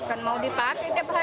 ini untuk apa